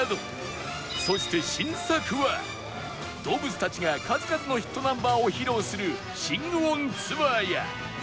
そして新作は動物たちが数々のヒットナンバーを披露するシング・オン・ツアーや